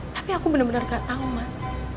tapi aku benar benar gak tau mas